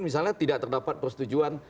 misalnya tidak terdapat persetujuan